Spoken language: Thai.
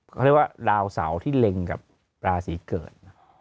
เขาเรียกว่าดาวเสาที่เล็งกับราศีเกิด